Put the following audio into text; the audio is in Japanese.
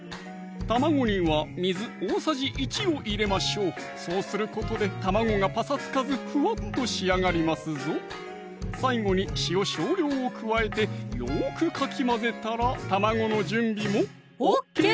卵には水大さじ１を入れましょうそうすることで卵がぱさつかずふわっと仕上がりますぞ最後に塩少量を加えてよくかき混ぜたら卵の準備もＯＫ！